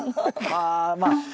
ああまあ